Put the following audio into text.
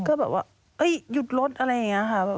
ก็แบบว่าหยุดรถอะไรอย่างนี้ค่ะ